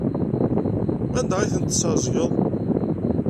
Anda ay tent-tesɛeẓgeḍ?